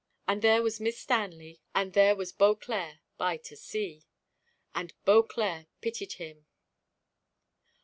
And there was Miss Stanley and there was Beauclerc by to see! and Beauclerc pitied him!